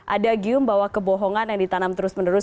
ada gium bahwa kebohongan yang ditanam terus menerus